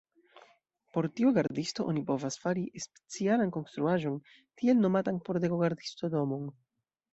Por tiu gardisto oni povas fari specialan konstruaĵon, tiel nomatan pordego-gardisto-domon.